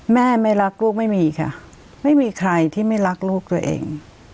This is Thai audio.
แม่ไม่รักลูกไม่มีค่ะไม่มีใครที่ไม่รักลูกตัวเอง